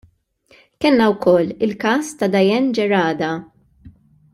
Kellna wkoll il-każ ta' Diane Gerada.